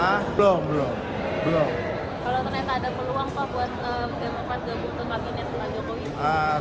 kalau ternyata ada peluang pak buat demokrat gabung ke kabinet pak jokowi